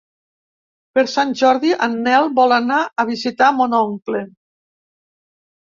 Per Sant Jordi en Nel vol anar a visitar mon oncle.